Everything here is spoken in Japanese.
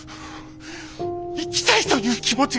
行きたいという気持ちが。